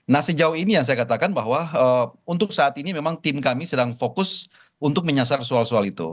nah sejauh ini yang saya katakan bahwa untuk saat ini memang tim kami sedang fokus untuk menyasar soal soal itu